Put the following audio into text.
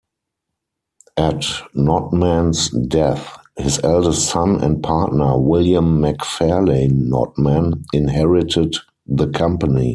At Notman's death, his eldest son and partner, William McFarlane Notman, inherited the company.